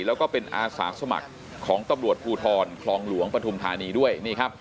แล้วก็เป็นอาสาสมัครของตำรวจภูทรคลองหลวงปฐุมธานีด้วยนี่ครับ